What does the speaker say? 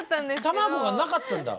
卵がなかったんだ。